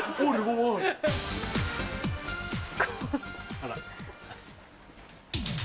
あら。